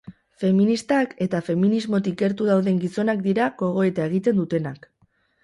Feministak eta feminismotik gertu dauden gizonak dira gogoeta egiten dutenak.